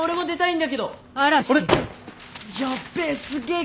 やべえすげえ